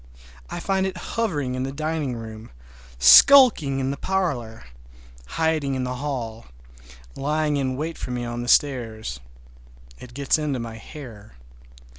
I find it hovering in the dining room, skulking in the parlor, hiding in the hall, lying in wait for me on the stairs. It gets into my hair.